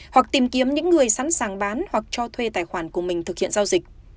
hoặc tìm kiếm những người sẵn sàng bán hoặc cho thuê tài khoản của mình thực hiện giao dịch